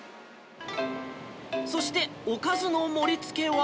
そして、おかずの盛りつけは。